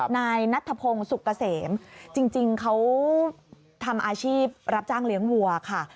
นายนัทธพงศ์สุกเกษมจริงเขาทำอาชีพรับจ้างเลี้ยงวัวค่ะ